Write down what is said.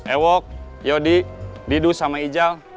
ewok yodi didu sama ijal